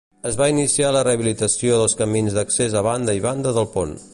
Es va iniciar la rehabilitació dels camins d'accés a banda i banda del pont.